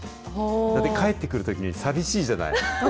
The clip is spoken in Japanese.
だって帰ってくるときに、寂しいじゃない。